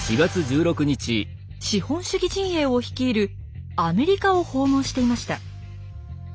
資本主義陣営を率いるアメリカを訪問していました。